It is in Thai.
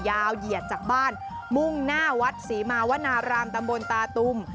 เหยียดจากบ้านมุ่งหน้าวัดศรีมาวนารามตำบลตาตุม